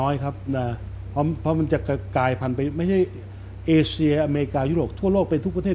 ยังมีอีกประเทศ